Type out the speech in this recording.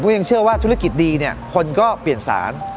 ยังเชื่อว่าธุรกิจดีเนี่ยคนก็เปลี่ยนสาร